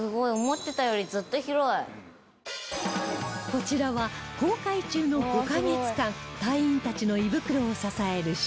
こちらは航海中の５カ月間隊員たちの胃袋を支える食堂